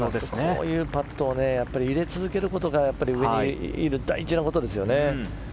こういうパットを入れ続けることが上にいる大事なことですよね。